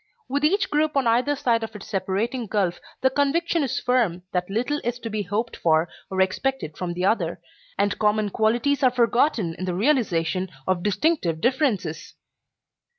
With each group on either side of its separating gulf the conviction is firm that little is to be hoped for or expected from the other, and common qualities are forgotten in the realization of distinctive differences.